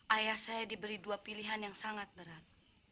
ayah saya diberi dua pilihan yang sangat berat